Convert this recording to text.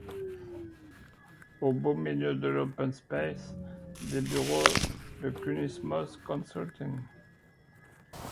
Au beau milieu de l’open space des bureaux de Kunismos Consulting.